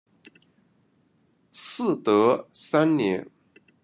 嗣德三年。